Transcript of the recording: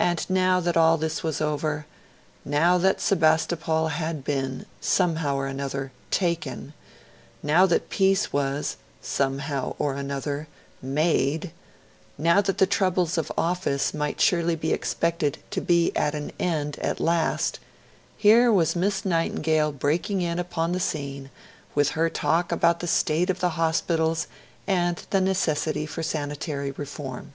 And now that all this was over, now that Sebastopol had been, somehow or another, taken; now that peace was, somehow or another, made; now that the troubles of office might surely be expected to be at an end at last here was Miss Nightingale breaking in upon the scene with her talk about the state of the hospitals and the necessity for sanitary reform.